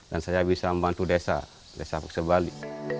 dan saya bisa membantu desa desa paksebali